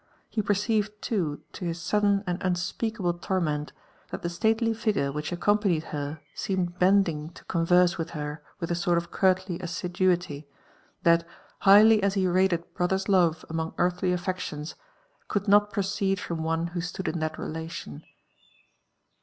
He perceived too, to his sudden and unspeakable torment^ that tht^ stately figure which accompanied her seemed bending to con verse with her with a sort of courtly assiduity, that, highly as he rated hrother's love among earthly affections, could not proceed from one who stood in that relation.